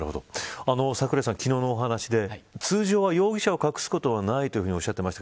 櫻井さん、昨日のお話で通常は容疑者を隠すことないとおっしゃってました。